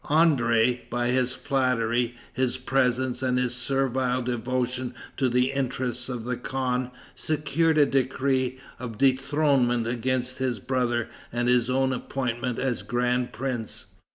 André, by his flattery, his presents and his servile devotion to the interests of the khan, secured a decree of dethronement against his brother and his own appointment as grand prince.